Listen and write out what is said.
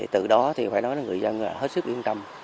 từ đó thì phải nói là người dân hết sức yên tâm